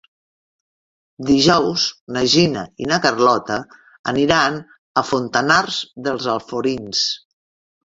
Dijous na Gina i na Carlota aniran a Fontanars dels Alforins.